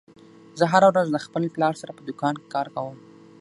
زه هره ورځ د خپل پلار سره په دوکان کې کار کوم